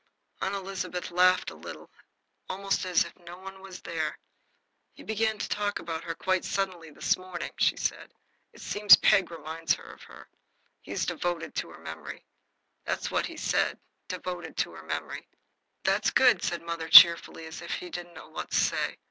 Aunt Elizabeth laughed a little, almost as if no one were there. "He began to talk about her quite suddenly this morning," she said. "It seems Peg reminds him of her. He is devoted to her memory. That's what he said devoted to her memory." "That's good," said mother, cheerfully, as if she didn't know quite what to say.